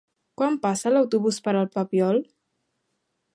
Quan passa l'autobús per el Papiol?